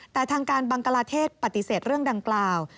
แต่ทางการบังกลาเทศปฏิเสธเรื่องดังกล่าว